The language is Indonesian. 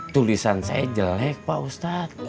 tulisan saya jelek pak ustadz